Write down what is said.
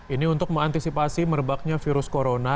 ini untuk mengantisipasi merebaknya virus corona